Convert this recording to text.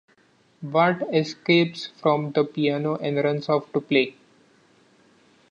Bart escapes from the piano and runs off to play.